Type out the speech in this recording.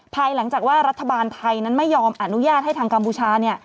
ภายหลังจากว่ารัฐบาลไทยนั้นไม่ยอมอนุญาตให้ทางกัมพูชาเนี่ย